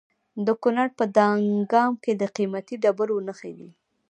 د کونړ په دانګام کې د قیمتي ډبرو نښې دي.